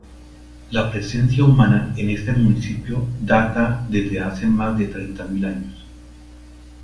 La presencia humana en este municipio data desde hace más de treinta mil años.